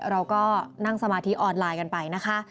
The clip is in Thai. เราก็นั่งสมาธิออนไลน์กันไปนะคะ